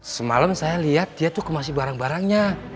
semalam saya liat dia tuh kemasin barang barangnya